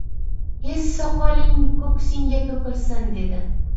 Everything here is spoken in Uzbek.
— He, soqoling ko‘ksingga to‘kilsin! — dedi.